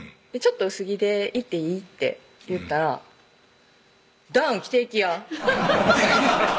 「ちょっと薄着で行っていい？」と言ったら「ダウン着て行きや」